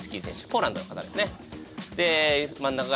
ポーランドの方ですね